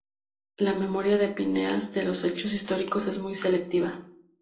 La memoria de Phineas de los hechos históricos es muy selectiva.